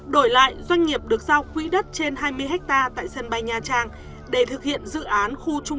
đổi lại doanh nghiệp được giao quỹ đất trên hai mươi hectare tại sân bay nha trang để thực hiện dự án khu trung